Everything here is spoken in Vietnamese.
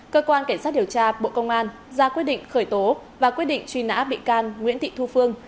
cơ quan cảnh sát điều tra bộ công an ra quyết định khởi tố và quyết định truy nã bị can nguyễn thị thu phương